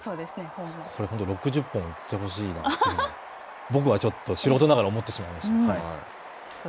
これ、６０本打ってほしいなと、僕はちょっと素人ながら思ってしまいました。